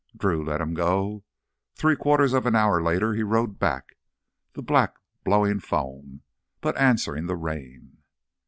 Drew let him go. Three quarters of an hour later he rode back, the black blowing foam, but answering the rein.